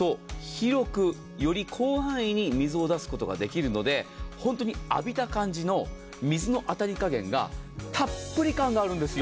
広く、より広範囲に水を出すことができるので本当に浴びた感じの水の当たりかげんがたっぷり感があるんです。